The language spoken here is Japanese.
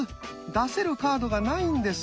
出せるカードがないんです。